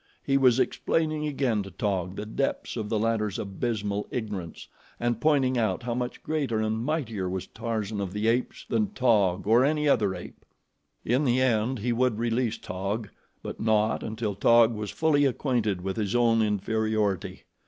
He was explaining again to Taug the depths of the latter's abysmal ignorance, and pointing out how much greater and mightier was Tarzan of the Apes than Taug or any other ape. In the end he would release Taug, but not until Taug was fully acquainted with his own inferiority.